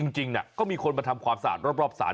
จริงน่ะก็มีคนมาทำความสารรอบสาร